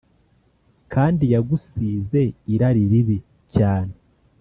kandi yagusize irari ribi cyane